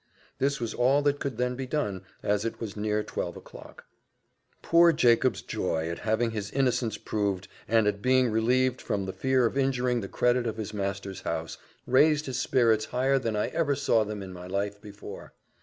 This was all that could then be done, as it was near twelve o'clock. Poor Jacob's joy at having his innocence proved, and at being relieved from the fear of injuring the credit of his master's house, raised his spirits higher than I ever saw them in my life before.